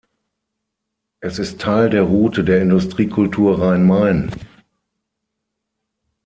Es ist Teil der Route der Industriekultur Rhein-Main.